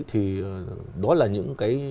thì đó là những cái